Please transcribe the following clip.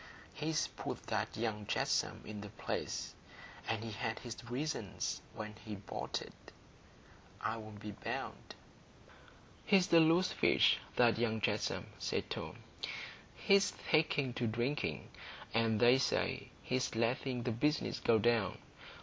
He's put that young Jetsome in the place; and he had his reasons when he bought it, I'll be bound." "He's a loose fish, that young Jetsome," said Tom. "He's taking to drinking, and they say he's letting the business go down.